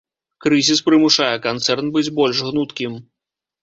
Крызіс прымушае канцэрн быць больш гнуткім.